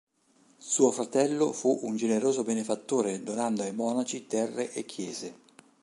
Suo fratello fu un generoso benefattore donando ai monaci terre e chiese.